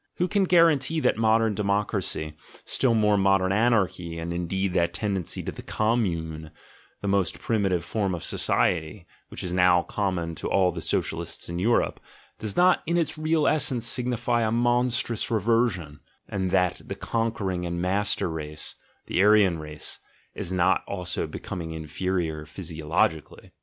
Who can guarantee that modern democracy, still more modern anarchy, and indeed that tendency to the "Commune," the most primitive form of society, which is now common to all the Socialists in Europe, does not in its real essence signify a monstrous reversion — and that the conquering and master race — the Aryan race, is not also becoming inferior physiologically?)